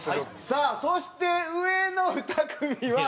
さあそして上の２組は。